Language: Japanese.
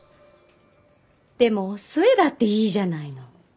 でもお寿恵だっていいじゃないの。